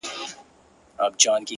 که مړ سوم نو ومنه’